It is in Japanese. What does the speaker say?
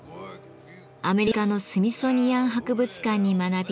アメリカのスミソニアン博物館に学び